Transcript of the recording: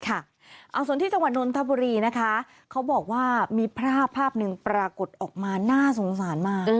ส่วนที่จังหวัดนนทบุรีนะคะเขาบอกว่ามีภาพภาพหนึ่งปรากฏออกมาน่าสงสารมาก